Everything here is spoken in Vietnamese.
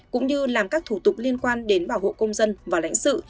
cũng như làm các thủ tục liên quan đến bảo hộ công dân và lãnh sự